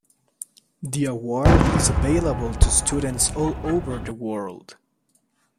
The award is available to students all over the world.